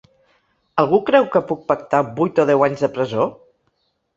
Algú creu que puc pactar vuit o deu anys de presó?